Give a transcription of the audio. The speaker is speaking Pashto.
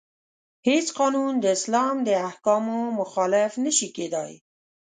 هیڅ قانون د اسلام د احکامو مخالف نشي کیدای.